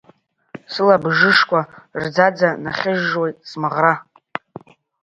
Сылабжышқәа рӡаӡа нахьыжжуеит смаӷра!